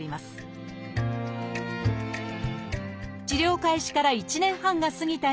治療開始から１年半が過ぎた